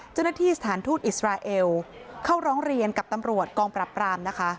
เจ้าหน้าที่สถานทูตอิสราเอลเข้าร้องเรียนกับตำรวจกองปรับปราม